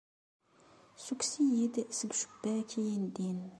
Ssukkes-iyi-d seg ucebbak i yi-ndin.